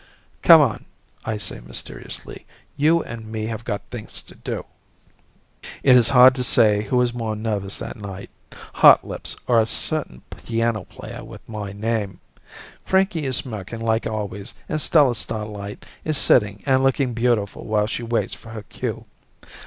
"Come on," I say mysteriously. "You and me have got things to do." It is hard to say who is more nervous that night, Hotlips or a certain piano player with my name. Frankie is smirking like always, and Stella Starlight is sitting and looking beautiful while she waits for her cue.